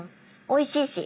おいしいし。